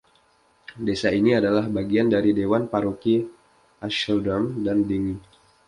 Desa ini adalah bagian dari Dewan Paroki Asheldham dan Dengie.